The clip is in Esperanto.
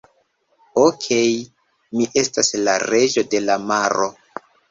Okej. Mi estas la reĝo de la maro.